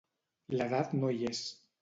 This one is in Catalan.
L'edat no hi és.